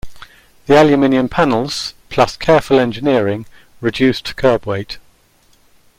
The aluminum panels, plus careful engineering, reduced curb weight.